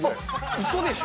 うそでしょ？